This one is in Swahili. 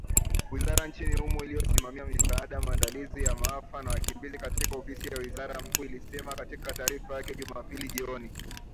Wizara nchini humo inayosimamia misaada, maandalizi ya maafa na wakimbizi katika Ofisi ya Waziri Mkuu ilisema katika taarifa yake Jumapili jioni